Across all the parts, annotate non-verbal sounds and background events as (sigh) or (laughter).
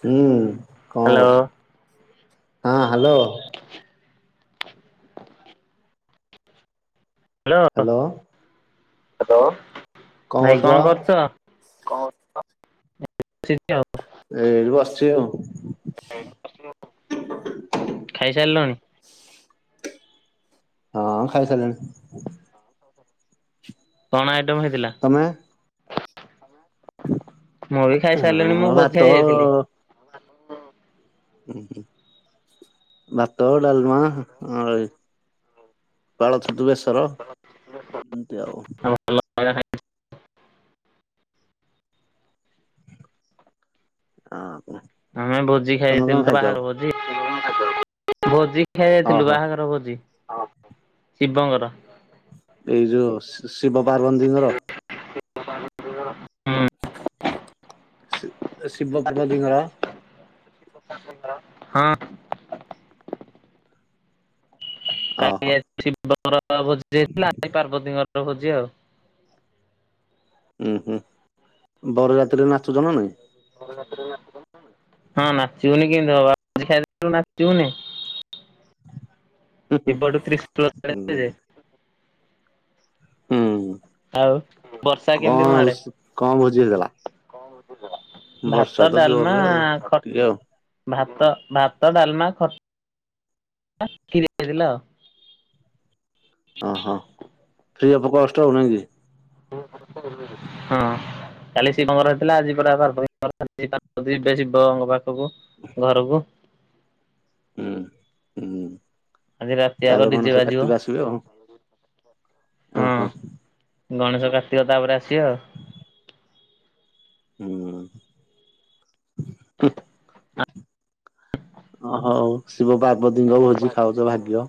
ହୁଁ। କଣ ହ୍ୟାଲୋ କରୁଛୁ ହଁ। ହାଲୋ। ହାଲୋ। Hello hello. ଭାଇ କଣ କରୁଚ? କଣ କିଛି। ଏ ବସଚି ଆଉ। ଖାଇସାରିଲଣି। ହଁ ଖାଇସାରିଲିଣି। ତମେ ନ କଣ ହେଇଥିଲା? ତମେ? ହାଲୋ। ମୁଁ ବି ଖାଇସାରିଲିଣି ହଁ ମୁଁ ଭାତ ଭୋଜିଆ ଯାଇଥିଲି। ହଁ। ହୁଁ ହୁଁ ହଁ ଭାତ ଡାଲମା ପାଳଛତୁ ବେସ ଓହ ଏମତି ଆଉ। (inaudible) ହଁ। ଆମେ ଭୋଜି ତମେ କଣ ଖାଇଥିଲୁ ତ ଖାଇଛ ଆଉ? ବାହାର ଭୋଜି। (inaudible) ଭୋଜି। ଦେଖିଆ ଯାଇଥିଲୁ ଓହୋ ବାହାଘର ଭୋଜି। ଅହ ଶିବଙ୍କର। ଏଇ ଯୋଉ ଶି ଶିବ ପାର୍ବନ୍ଦିିଙ୍କ ର। ହୁଁ। ଶିବ ପାର୍ବତିଙ୍କର। ହଁ। (unintelligible) (unintelligible) ଓହୋ (unintelligible) ପାର୍ବତୀଙ୍କର। ରହୁଛି ଆଉ। ଉୁଁ ହୁଁ ବର ଯାତ୍ରୀ ରେ ନାଚୁଛ ନା ନାଇଁ? ହଁ ନାଚିବୁନି କେମିତି ହବ, ନାଚିବୁନି। ହୁଁ (unintelligible) ହୁଁ। ଆଉ ବର୍ଷା କେମିତି ତମ କଣ ଆଡେ କଣ ଭୋଜି ହେଇଥିଲା, ଭାତ ବର୍ଷା ତ ଜୋରରେ ଆଉ ଟିକେ ଆଉ। ଭ ଭାତ ଡାଲମା ଖଟ ଖରି ଟେ ହୋଇଥଲା ଆଉ। ହ ହୋ। ଫ୍ରି ଅଫ୍ କଷ୍ଟ ହବ ନାହିଁ କି? ହଁ କାଲି ଶିବଙ୍କର ହେଇଥିଲା, ଆଜି ପରା ପାରବତି ପାର ପାର୍ବତୀ ଶିବଙ୍କ ପାଖ। ସବ ଘରକୁ ହୁଁ ହୁଁ। ଆଜି ରାତି ଆଗ ତାପରେ ଡିଜେ ଗଣେଶ ବାଜିବ। କାର୍ତ୍ତିକ ଆସିବେ ଓ ଓହୋ। ଗଣେଶ କାର୍ତ୍ତିକ ତାପରେ ଆସିବ ଆଉ। ହୁଁ ଉଁ ହଉ ଶିବ ପାର୍ବତୀଙ୍କ ଭୋଜି। ଖାଉଛ ଭାଗ୍ୟ।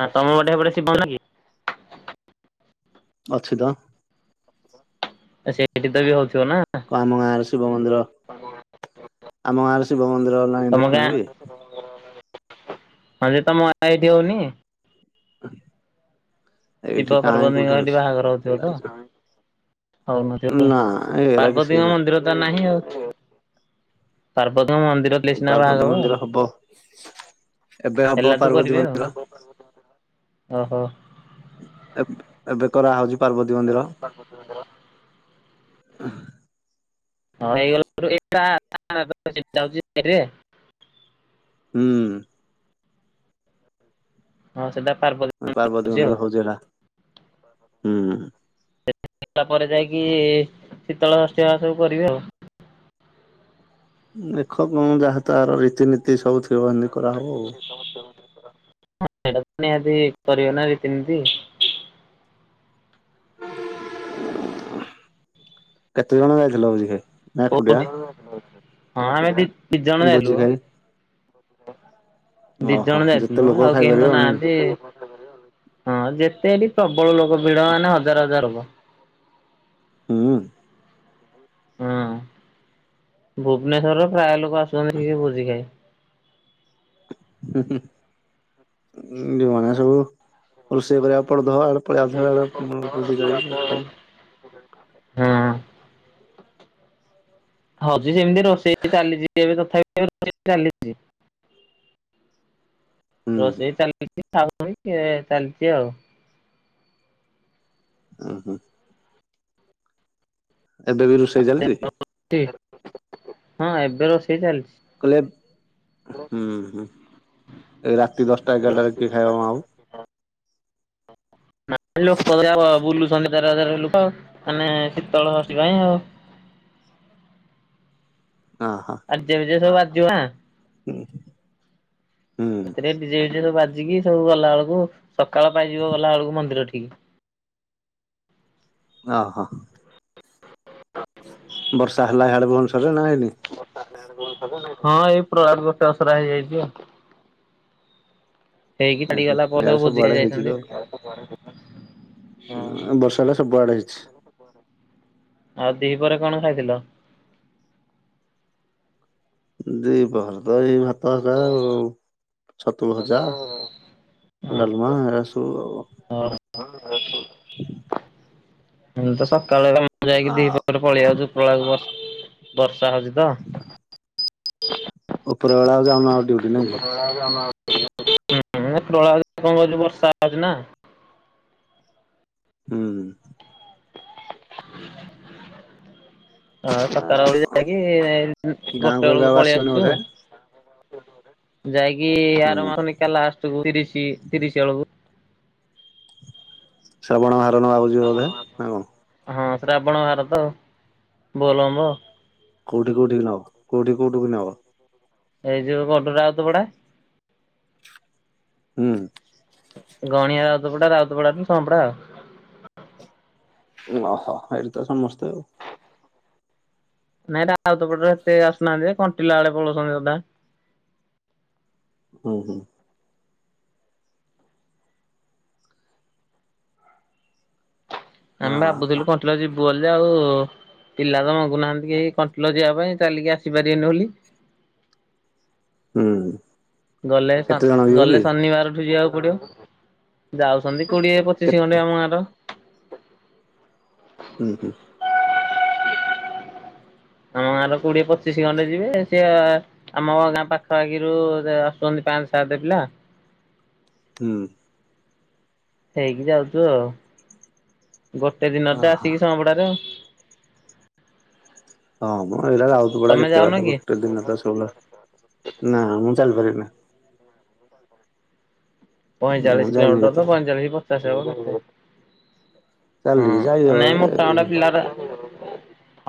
ହଁ ତମର ଗୋଟେପଟେ ଶିବ ନା କି? ଅଛି ତ। ସେଇଠି ତ ବି ହଉଛି। କ ଆମ ଗାଁର ଶିବ ମନ୍ଦିର, ଆମ ଗାଁର ଶିବ ମନ୍ଦିର ନାଇଁ ଦେଖିନ କି? ହ ଯେ ତମ ଆଇଡିଉନି? (unintelligible) ଏଇଠି ଶିବ କାହିଁ କୋଉଠି ପାର୍ବତୀ ଅଛି। ବାହାଘର ହଉଥିବ ତ? ହଉନ ନା ଏରା କିଛି ପାର୍ବତୀଙ୍କ ମନ୍ଦିର ତ ନାହିଁ ଆଉ। ତାର। ପାର୍ବତୀ ମନ୍ଦିର ହବ କେବେ ହବ ହେଲାଠୁ ପାର୍ବତୀ କରିବେ ଆଉ। ମନ୍ଦିର? ଓହୋ। ଏବେ ଏବେ କରା ହଉଛି। ପା ପାର୍ବତୀ ମନ୍ଦିର। (unintelligible) (unintelligible) ହୁଁ। ହଁ ସେଟା ପାର୍ବତୀ ମ ପାର୍ବତୀ ହଉଛି ଆଉ। ମନ୍ଦିର ହଉଜାଡା ହୁଁ। ହେବା ପରେ ଯାଇକି ଶୀତଳ ଷଷ୍ଠୀ ବା ସବୁ କରିବି ଆଉ ଦେଖ କଣ ଯାହା ତାର ରୀତିନୀତି ସବୁ ବାଧି କରାହେବ ଆଉ ସେଟା ତ ନିହାତି କରିବ ରୀତିନୀତି କେତେ ଜଣ ଯାଇଥିଲ ଭୋଜି ଖାଇ। ନା (unintelligible) ଏକୁଟିଆ ହଁ ଆମେ ବି ଦି ଜଣ ଯାଇଥିଲୁ ଭୋଜି ବା ଖାଇ? ଦି ଓହୋ ଜଣ ଯେତେ ଯାଇଥିଲୁ ଲୋକ ଆଉ ଖାଇପାରିବେ କେହିତ ନାଇଁ ନାହାନ୍ତି ହଁ ଯେତେ ହେଟି। ପ୍ରବଳ ଲୋକ ଭିଡ ମାନେ ହଜାର ହଜାର ଲୋକ। ହୁଁ। ହୁଁ ଭୁବନେଶ୍ଵରରେ ପ୍ରାୟ ଲୋକ। ସବୁ ଆସୁଛନ୍ତିି ହେଟିକି ଭୋଜି ଖାଇ। ହୁଁ ହୁଁ ଉ ଯୋଉମାନେ ସବୁ ରୋଷେଇ କରିଆ। ପଡୁ ଥିବା ହେଟେ ପଳେଇ ଆଉଥିବେ ହେଟେ ଭୋ ଭୋଜି ଖାଇ। ହଁ। ହଉଜି ସେମିତି ରୋଷେଇ ଚାଲିଛି ଏବେ ତଥାପି ରୋଷେଇ ଚାଲିଛି। ହୁଁ ରୋଷେଇ ଚାଲି କିଏ ଖାଉଛନ୍ତି କିଏ ଚାଲିଛି ଆଉ। ଉ ହୁଁ। ଏବେ ବି ରୋଷେଇ ଚାଲିଛି। ହଁ ଏବେ ରୋଷେଇ ଚାଲିଛି। କହିଲେ ହୁଁ ହୁଁ ଏଇ ରାତି ଦଶଟା ଏଗାରଟାରେ କିଏ ଖାଇବ ମ ଆଉ। ନା ଲୋକଗୋରା ବୁଲୁ ପନ୍ଦର ବାର ହଜାର ଲୋକମାନେ ଶୀତଳ ଷଷ୍ଠି ପାଇଁ ଆଉ। ଆଜେ ବିଜେ ସବୁ ବାଦ। ଯୁହା। ଉ ହୁଁ। ହୁଁ। ଏଥିରେ ରେ ଡିଯେ ବିଜେ ସବୁ ବାଜ ଜିକି ସବୁ ଗଲା ବେଳକୁ। ସକାଳ ପାଇଯିବ ଗଲାବେଳକୁ ମନ୍ଦିର ଠି। ଠିକ୍। ଅ ହ। ବର୍ଷା ହେଲା ହାଡେ ଭୁବନେଶ୍ୱରରେ ନା ହେଇନି। ହଁ ଏଇ ପଟଆଡେ ଗୋଟେ ଅସରା ହେଇଯାଇଛି ଆଉ। ହେଇ କି ଉୁଁ ଛଆଡି ହୁଁ ଗଲା ପରେ ଇଆଡେ ଭୋଜି ସବୁ ଭୋଜି ସବୁଆଡେ ଖାଇବାକୁ ଯାଇଛନ୍ତି। ହଁ ଉଁ ବର୍ଷା ଟା ସବୁ ଆଡେ ହେଇଛି। ଆଉ ଦିହରେ କଣ ଖାଇଥିଲ। ଦିପହର ତ ଏଇ ଭା ତ ହକା ଆଉ ଛତୁ ଭଜା ଡାଲମା ଏରା ସବୁ ଆଉ। ହଁ। ଏ ନ ତ ସା କାଳେ ଯାଇକି ଆ ଦି ପହର ପଳେଇଆଉଛ ଉପରବେଳ କୁ ବସ୍। ସାହା ହେଉଛି ତ (inaudible) ଉପରବେଳକୁ ଯାଉନ ଆଉ ନାଇଁ କି? ସେ ଆମ ହୁ ହୁ କଣ ପ୍ରୟାସ କହୁଛି ବର୍ଷା ହଉଛି ନା (inaudible) ହୁଁ। (inaudible) ହଁ ଆ ସତର ବେଳକୁ ଯାଇକି ଗୋଟେ ଗାଁକୁ ଏବେ ବେଳକୁ ଆଉ ପଳେଇ ଆସିବନି ଆସଛୁ। ବୋଧେ? ଯାଇ ଆ ଆର ହୁଁ ମାସିକଲା ଲାଷ୍ଟକୁୁ ତିରିଶି ତିରିଶି ଅଳଗୁ। ଶ୍ରବଣ ହା ନବା ଭାବୁଚୁ ବୋଧେ ନାଁ କଣ? ହଁ ଶ୍ରାବଣ ଭାର ତ ବୋଲବ। କୋଉଠି କଉଠି ନ କଉଠି କଉଠିିକ ନବ ଏଇ ଯ କଟଣ୍ଡନ୍ତିବଡ। ହୁଁ। ଗନିଆ ରତ ପଢଟା ରାତ ପଡ଼ା ସମ୍ପଡ଼ା ଓହୋ ଏଇଠ ତ ସମସ୍ତେ ନାଇଁ ରାଉତ ପଟରେ ଏତେ ଆସୁନାହାନ୍ତି କଣ୍ଟିଲା ବେଳେ ପଳଉସନ୍ତି ଅଧା। (inaudible) ହୁ ହୁଁ। ଆମେ ହଁ ଭାବୁଥିଲୁ କଣ୍ଟିଲା ଯିବୁ। ପ୍ଲାୟ ଆଉ ପିଲା ର ମାଗୁନାହାନ୍ତି କେହି କଣ୍ଟଲ ଯିବା ପାଇଁ ଚାଲିକି ଆସିପାରିବେନି ବୋଲି। ହୁଁ। ଗଲେ କେତେ ଜଣ ଯିବ କି? ଗଲେ ଶନିବାରଠୁ ଯିବା ପଡିବ। ଯାଉସନ୍ତି କୋଡିଏ କେ ପଚିଶି ଖଣ୍ଡେ ଆମ ଗାଁର ହୁ ହୁଁ। ଆମ ଗାଁ ର କୋଡିଏ ପଚିଶି ଖଣ୍ଡେ ଯିବେ ସିଏ ଆମ ଗାଁ ପାଖ ଆଖିରୁ ଆସୁଛନ୍ତି ପାଞ୍ଚ ସାତ ପିଲା ହୁଁ। ହେଇକି ଯାଉଛୁ ଆଉ ଗୋଟେ ଦିନ ତ ଓହୋ। ଆସିକି ସମପଡାରେ ଆଉ ହଁ ମୁଁ ଏଇା ଯାଉଥିଲ ପଡା ତମେ କେତେ ଯାଉନ ବାର କି? ଗୋଟେ ଦିନ ତ ସବ ନା ମୁଁ ଚାଲିପାରିବିନି। ମୁଁ ପଇଁଚାଳିଶ ଯାଇନି କିଲୋମିଟର ତ କେତେବେଳେ। ପଁଚାଳିଶ ଚା ସେବ ଚାଲିକି ଯାଇ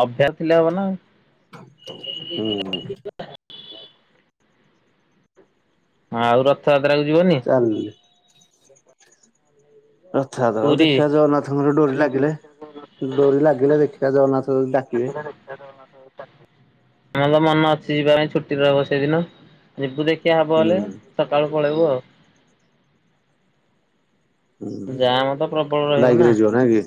ଅଭ୍ୟାସ ଥିଲେ ହବ ନା। ହୁଁ। ହଁ ଆଉ ରଥ ଯତ୍ର କୁ ଯିବନି। ଚାଲି ଆ ରଥଯାତ୍ର ଆଉ ଦେଖିବା ଜଗନ୍ନାଥଙ୍କର ଡୋରି ଲାଗିଲେ ଡୋରି ଲାଗିଲେ ଦେଖିବା ଜଗନ୍ନାଥ ଯଦି ଡାକିବେ ଆମ ତ ମନ ଅଛି ଯିବା ପାଇଁ ଛୁଟି ରହବ ସେଇଦିନ ଯିବୁ ଦେଖ ଶିଆ ହବ ହୁଁ ହେଲେ ସକାଳୁ। ପଳେଇବୁ। ହୁଁ ଜାମ ତ ପ୍ରବଳ ରହିବ ବାଇକ ନା ରେ ଯିବ ନାଇଁ କି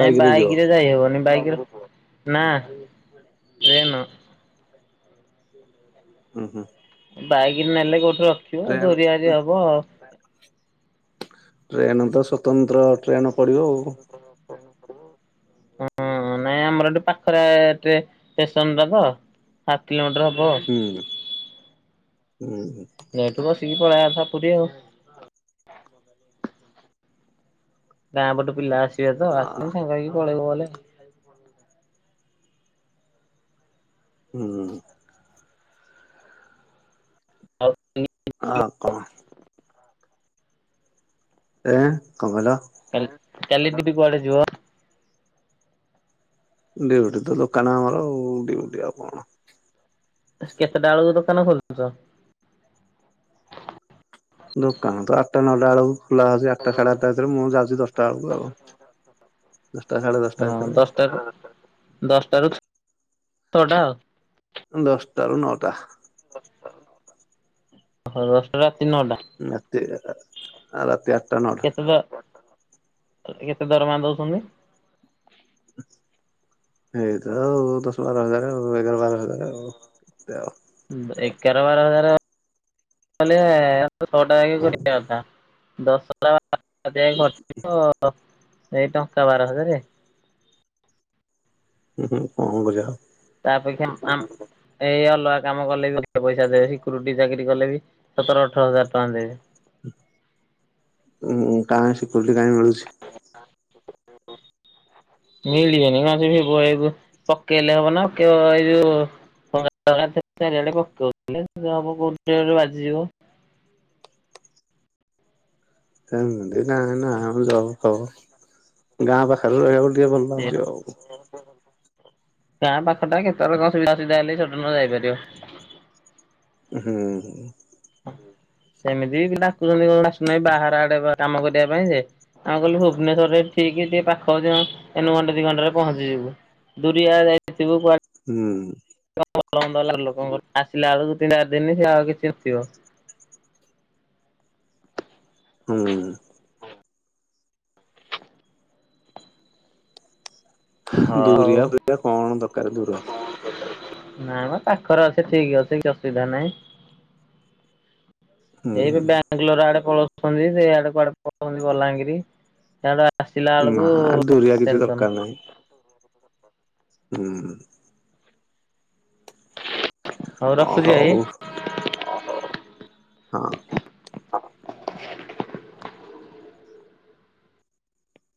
ବାଇକ ରେ ଯିବ ବାଇକରେ ଯାଇହବନି ବାଇ (inaudible) ନା ଟ୍ରେନ ହୁଁ ହୁଁ। ବାଇକ୍ ନେଲେ ରଖିବ ଟ୍ରେନ ଚୋରି ଚାରି ହବ ଆଉ ଟ୍ରେନ ଟ ସ୍ଵତନ୍ତ୍ର। ଟ୍ରେନ ପଡିବ ଆଉ। ହଁ ନାଇଁ ଆମର ଏଠି ପାଖରେେ ଷ୍ଟେ ଷ୍ଟେସନ ଟା ତ ସାତ କିଲୋମିଟର ହବ। ହୁଁ। ଏଠୁ ବସିକି ପଳେଇବ। ପୁରୀ ଆଉ ଗାଁ ପଟ ପିଲା। ସିଏ ତ ଆ ଆସନି ସାଙ୍ଗକ ପଳେଇ ଗଲେ। ସେଜ ହୁଁ। ହଉ ଦୁଇ ହଁ କଣ? ଏଆଁ? କଣ କଲ? କାଲି କାଲି ଦିଦି କୁଆଡେ ଯୁିବ? ଡିଉଟି ତ ଦୋକାନ ଆମର ଆ ଡିଉଟି ଆଉ କଣ। କେତେଟା ବେଳୁକୁ ଦୋକାନ ଖୋଲୁଛ? ଦୋକାନ ତ ଟ ନଟା ଏଳକୁ। ନା ସେଇ ଆଟଟା ସାଢେ ଆଠଟା ଭିତରେ ମୁଁ ଯାଉଚି ଦଶଟା ବେଳକୁ ଆଉ ଦଶଟା ସାଢେ ହଁ ଦଶଟା ଭିତରେ ଆଉ। ଦଶଟାରୁ ଦଶଟାରୁ ଛ-ଛଅଟା ଆଉ। ଦଶଟାରୁ ନଅଟା। ହ ଦଶଟାରେ ଆପ ନାତି ୟେ ରାତି ଆଟଟା ନଅଟା। ତତେ କେତେ ଦରମା ଦୋଉଚନ୍ତି? ଏଇତ ଆଉ ଦଶ ବାର ହଜାରେ ଆଉ ଏଗାର ବାର ହଜାରେ ଆଉ କେତେ ଆଉ। ହୁଁ ଏଗାର ବାର ହଜାରେ ହେଲେ ଆ ଛଅଟା ଏକେ (unintelligible) କଥା। ଦଶ (unintelligible) ଆ ଦେଇ ଖର୍ଚ୍ଚ ହେଇଯିବ। ଏଇ ଟଙ୍କା ବାର ହଜାରେ। ହୁଁ ହୁଁ କଁ କରିବା ଆଉ ତାପେକ୍ଷା ଆମ୍ ଏଇ ଅଲଗା କାମ କଲେ ବି ଅଧିକ ପଇସା ଦେବେ ସିକୁରୁଟି ଚାକିରି କଲେ ବି ସତର ଅଠର ହଜାର ଟଙ୍କା ଦେବେ। ଉଁ କାଇଁ ସିକ୍ୟୁରୁଟି କାଇଁ ମିଳୁଛି? (inaudible) ମିଳିବେନି ନା (unintelligible) ପକେଇଲେ ହବ ନା ଆଉ କେୱାଇ ଯୋଉ (unintelligible) ଚାରିଆଡେ ପକୋଉଥୁଲେ ଜବ କୋଉଠି ଗୋଟେ ବାଜିଯିବ। ସେମତି ନାହିଁ ନା ହେମ ଯବ ଫବ। ଗାଁ ପାଖରେ ରହିବାକୁ ଟିକେ ଭଲ ଲାଗୁଚି ଆଉ। ଗାଁ ପାଖଟା କେତଳେ କଣ ସୁବିଧା ଅସୁବିଧା ହେଲେ ସଡନ ଯାଇପାରିବ। ହୁଁହୁଁ। ସେମିତି ବି କୁଲୁ ଆ ନାଇଁ ବାହାର ଆଡେ ଘ କାମ କରିବା ପାଇଁ ଯେ ଆମେ କହିଲୁ ଭୁବନେଶ୍ଵରରେ ଠିକି ଟିକେ ପାଖକୁ ଯାଉଁ ଏନୁ ଘଣ୍ଟେ ଦି ଘଣ୍ଟାରେ ପହଞ୍ଚିଯିବୁ ଦୁରିଆ ଯାଇଥିବୁ କୁଆ ହୁଁ। ଭଲ ମନ୍ଦ ହେଲାରୁ ଲୋକଙ୍କର ଆସିଲା ବେଳକୁ ତିନି ଚାରି ଦିନ ସେ ଆଉ କିଛି ନଥିବ। ହୁଁ। ହଉ ଦୂରିଆ ପିଲା କଣ ଦରକାର ଦୂର। ନାମ ପାଖରେ ଅଛି ଠିକି ଅଛି କିଛି ଅସୁବିଧା ନାହିଁ। ହୁଁ ଏଇ ଏବେ ବାଙ୍ଗଲୋର ଆଡେ ପଳୋଉଛନ୍ତି ସେଇଆଡେ କୁଆଡେ ପଳୋଉଛନ୍ତି ବଲାଙ୍ଗିରି ସ୍ୟାଡୁ ଆ ନା ଦୁରିଆ କିଛି ଦରକାର ନାହିଁ। ହୁଁ ହୁଁ। ହୋଉ ଅ ରଖୁଚି ହଉ ଭାଇ। ହଁ। (unintelligible)